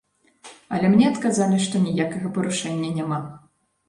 Але мне адказалі, што ніякага парушэння няма.